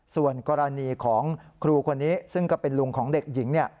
ส่วนกรณีของครูคนนี้ซึ่งก็เป็นลุงของเด็กหญิง